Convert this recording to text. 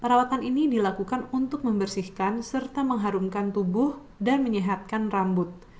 perawatan ini dilakukan untuk membersihkan serta mengharumkan tubuh dan menyehatkan rambut